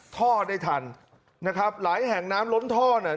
ท่อได้ทันนะครับหลายแห่งน้ำล้นท่อเนี่ย